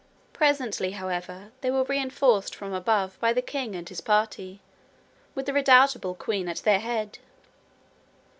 Presently, however, they were reinforced from above by the king and his party, with the redoubtable queen at their head.